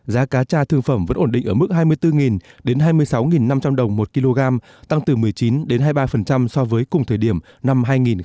giá cá cha thương phẩm vẫn ổn định ở mức hai mươi bốn đến hai mươi sáu năm trăm linh đồng một kg tăng từ một mươi chín đến hai mươi ba so với cùng thời điểm năm hai nghìn một mươi tám